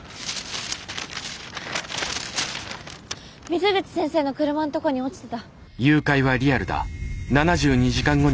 水口先生の車のとこに落ちてた。